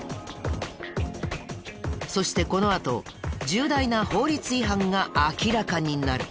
そしてこのあと重大な法律違反が明らかになる。